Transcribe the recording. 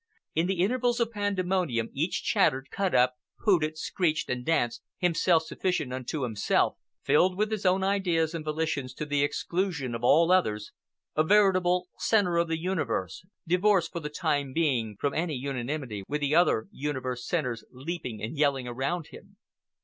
In the intervals of pandemonium, each chattered, cut up, hooted, screeched, and danced, himself sufficient unto himself, filled with his own ideas and volitions to the exclusion of all others, a veritable centre of the universe, divorced for the time being from any unanimity with the other universe centres leaping and yelling around him.